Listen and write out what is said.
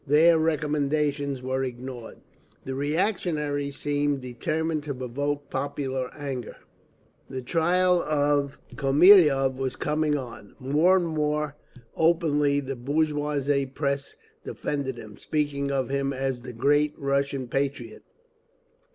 Their recommendations were ignored. The reactionaries seemed determined to provoke popular anger. The trial of Kornilov was coming on. More and more openly the bourgeois press defended him, speaking of him as "the great Russian patriot."